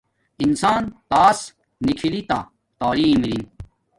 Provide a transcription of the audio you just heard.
انسان تاس نکھی تا تعلیم اری